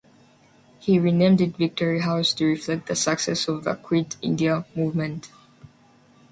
He renamed it Victory House to reflect the success of the Quit India movement.